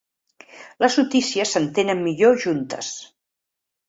Les notícies s'entenen millor juntes.